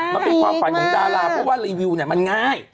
มันเป็นความฝันของดาราเพราะว่ารีวิวมันง่าย